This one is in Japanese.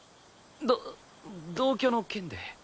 ど同居の件で。